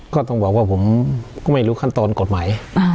ก็ต้องบอกว่าผมก็ไม่รู้ขั้นตอนกฎหมาย